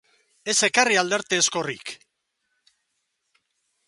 Ez ekarri aldarte ezkorrik!